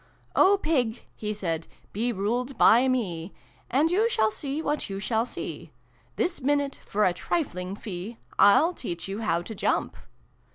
" O Pig" lie said, " be ruled by me, A nd you shall see what you shall see. This minute, for a trifling fee, Til teach you how to jump